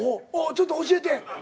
ちょっと教えて。